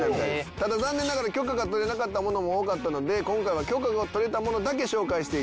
ただ残念ながら許可が取れなかったものも多かったので今回は許可が取れたものだけ紹介していきます。